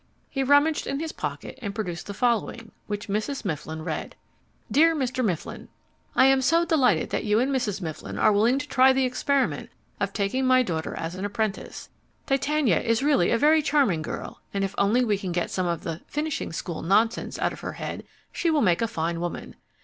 He rummaged in his pocket, and produced the following, which Mrs. Mifflin read: DEAR MR. MIFFLIN, I am so delighted that you and Mrs. Mifflin are willing to try the experiment of taking my daughter as an apprentice. Titania is really a very charming girl, and if only we can get some of the "finishing school" nonsense out of her head she will make a fine woman.